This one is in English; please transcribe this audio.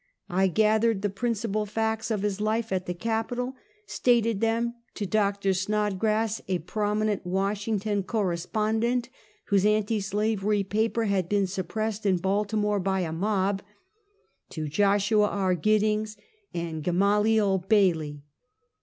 I gathered the principal facts of his life at the Capitol, stated them to Dr. Suod grass, a prominent Washington correspondent, whose anti slavery paper had been suppressed in Baltimore by a mob, to Joshua E. Giddings and Gamaliel Bailey.